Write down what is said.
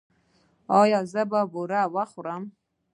ایا زه باید بوره وخورم؟